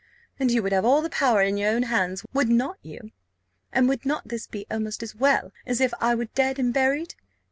And you would have all the power in your own hands, would not you? And would not this be almost as well as if I were dead and buried?